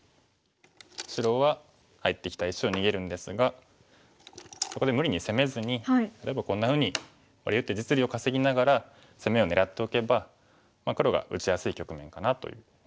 白は入ってきた石を逃げるんですがそこで無理に攻めずに例えばこんなふうにワリウって実利を稼ぎながら攻めを狙っておけば黒が打ちやすい局面かなと思います。